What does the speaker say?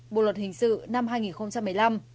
bộ luật hình sự năm hai nghìn một mươi năm